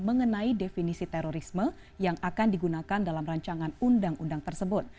mengenai definisi terorisme yang akan digunakan dalam rancangan undang undang tersebut